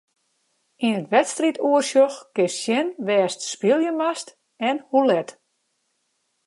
Yn it wedstriidoersjoch kinst sjen wêr'tst spylje moatst en hoe let.